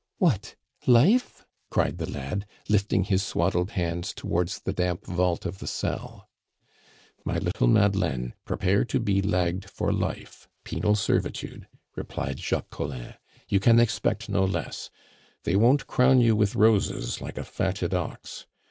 "What! life?" cried the lad, lifting his swaddled hands towards the damp vault of the cell. "My little Madeleine, prepare to be lagged for life (penal servitude)," replied Jacques Collin. "You can expect no less; they won't crown you with roses like a fatted ox.